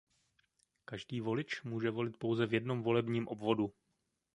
Každý volič může volit pouze v jednom volebním obvodu.